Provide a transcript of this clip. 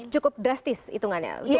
cukup drastis hitungannya